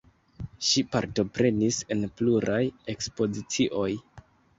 Ŝi partoprenis en pluraj ekspozicioj.